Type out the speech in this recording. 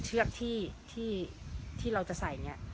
เชือกที่เราจะใส่